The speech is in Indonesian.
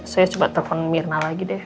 saya coba telepon mirna lagi deh